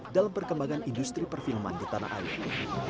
dalam perkembangan industri perfilman di tanah air